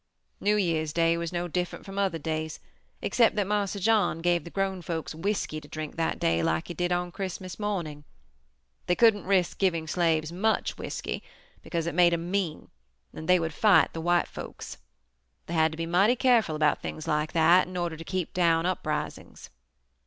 "New Year's Day was no different from other days, except that Marse John gave the grown folks whiskey to drink that day like he did on Christmas morning. They couldn't risk giving slaves much whiskey because it made them mean, and then they would fight the white folks. They had to be mighty careful about things like that in order to keep down uprisings.